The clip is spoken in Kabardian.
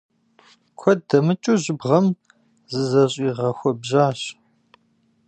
Куэд дэмыкӀыу жьыбгъэм зызэщӀигъэхуэбжьащ.